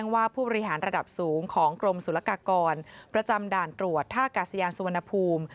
ว่าผู้บริหารระดับสูงของกรมศุลกากรประจำด่านตรวจท่ากาศยานสุวรรณภูมิ